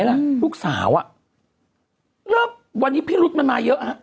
ลูกรุ่งสาวแล้ววันนี้พีฤทธิมนามาเยอะ